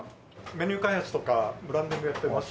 メニュー開発とかブランディングやってます